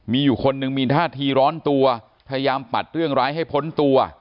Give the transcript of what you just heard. มีอยู่คนหนึ่งมีท่าทีร้อนตัวพยายามปัดเรื่องร้ายให้พ้นตัว